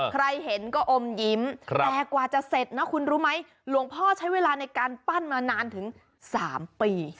ใครเห็นก็อมยิ้มแต่กว่าจะเสร็จนะคุณรู้ไหมหลวงพ่อใช้เวลาในการปั้นมานานถึง๓ปี